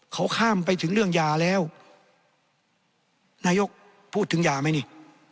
เขาข้ามไปถึงเรื่องยาแล้วนายกพูดถึงยาไหมนี่